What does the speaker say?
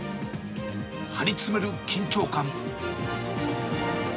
張り詰める緊張感。